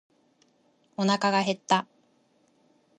おなかが減った。